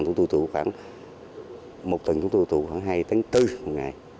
chúng tôi tiêu thụ khoảng một tuần chúng tôi tiêu thụ khoảng hai bốn ngày